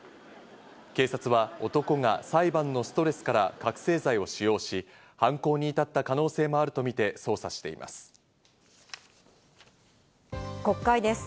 警察は男が裁判のストレスから覚醒剤を使用し、犯行に至った可能性もあるとみて捜査しています。